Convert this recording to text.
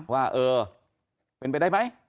ว่าเออเป็นไปได้ไหม